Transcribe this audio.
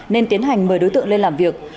nên tiến hành mời đối tượng lên làm việc